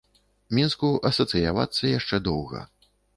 Мінску асацыявацца яшчэ доўга.